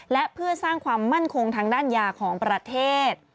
และเพื่อสร้างความมั่นคงทางด้านยาของประเทศ